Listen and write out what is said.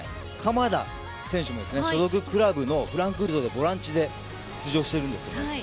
トップ下の鎌田選手も所属クラブのフランクフルトのボランチで出場しているんです。